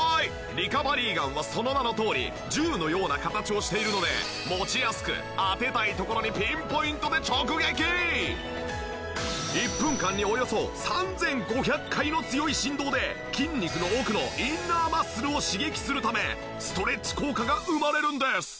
リカバリーガンはその名のとおり銃のような形をしているので持ちやすく１分間におよそ３５００回の強い振動で筋肉の奥のインナーマッスルを刺激するためストレッチ効果が生まれるんです！